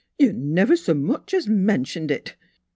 " You never s' much 's mentioned it."